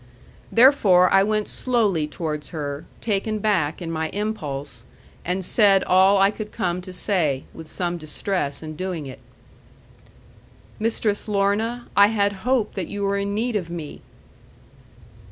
Therefore I went slowly towards her, taken back in my impulse; and said all I could come to say, with some distress in doing it. 'Mistress Lorna, I had hope that you were in need of me.'